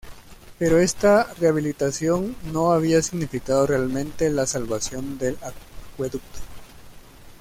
Pero esta rehabilitación no había significado realmente la salvación del acueducto.